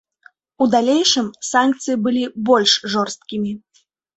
У далейшым, санкцыі былі больш жорсткімі.